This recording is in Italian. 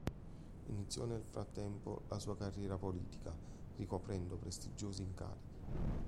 Iniziò nel frattempo la sua carriera politica, ricoprendo prestigiosi incarichi.